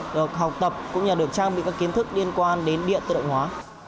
được học tập cũng như được trang bị các kiến thức liên quan đến điện tự động hóa